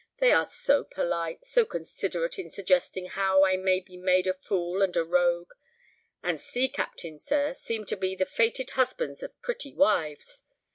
They are so polite, so considerate in suggesting how I may be made a fool and a rogue. And sea captains, sir, seem to be the fated husbands of pretty wives.